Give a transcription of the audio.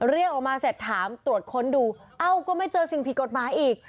เรียกออกมาเสร็จถามตรวจค้นดูเอ้าก็ไม่เจอสิ่งผิดกฎหมายอีก